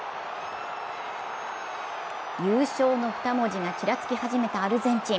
優勝の二文字が、ちらつき始めたアルゼンチン。